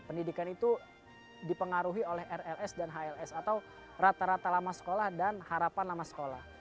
pendidikan itu dipengaruhi oleh rls dan hls atau rata rata lama sekolah dan harapan lama sekolah